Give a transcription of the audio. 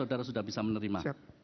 saudara sudah bisa menerima